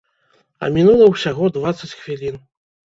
А мінула ўсяго дваццаць хвілін.